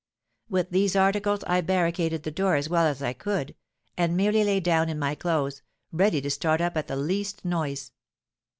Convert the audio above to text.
With these articles I barricaded the door as well as I could, and merely lay down in my clothes, ready to start up at the least noise.